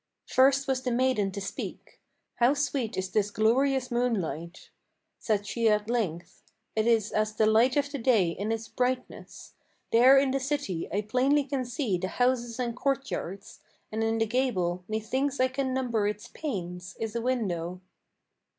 First was the maiden to speak: "How sweet is this glorious moonlight!" Said she at length: "It is as the light of the day in its brightness. There in the city I plainly can see the houses and courtyards, And in the gable methinks I can number its panes is a window."